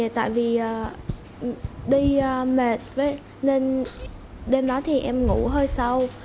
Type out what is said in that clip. tại vì đi mệt nên đêm đó thì em ngủ hơi sâu